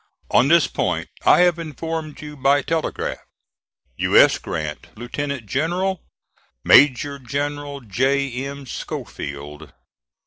On this point I have informed you by telegraph. "U. S. GRANT, Lieutenant General. "MAJOR GENERAL J. M. SCHOFIELD."